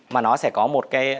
mà nó sẽ có một cái